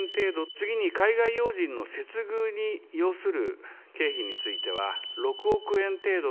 次に海外要人の接遇に要する経費については６億円程度。